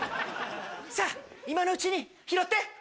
さぁ今のうちに拾って。